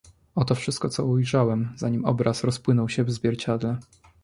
"Oto wszystko, co ujrzałem, zanim obraz rozpłynął się w zwierciadle."